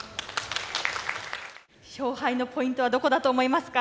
勝敗のポイントはどこだと思いますか？